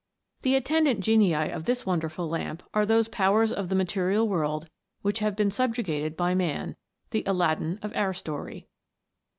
The attendant genii of this wonderful lamp are those powers of the material world which have been subjugated by man the Aladdin of our story.